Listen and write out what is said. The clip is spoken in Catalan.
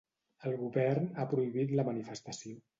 El govern ha prohibit la manifestació.